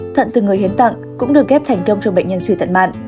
thận từ người hiến tạng cũng được ghép thành công cho bệnh nhân suy tận mạn